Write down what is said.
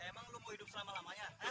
emang lu mau hidup selama lamanya